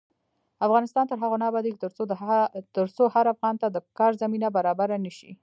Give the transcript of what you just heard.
افغانستان تر هغو نه ابادیږي، ترڅو هر افغان ته د کار زمینه برابره نشي.